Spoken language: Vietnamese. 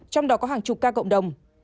trong đó có hàng chục ca cộng đồng